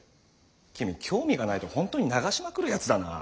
君興味がないとホントに流しまくるやつだなァ。